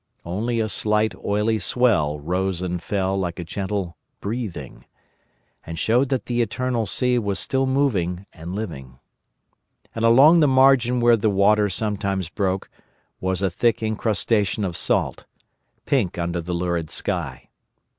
Only a slight oily swell rose and fell like a gentle breathing, and showed that the eternal sea was still moving and living. And along the margin where the water sometimes broke was a thick incrustation of salt—pink under the lurid sky.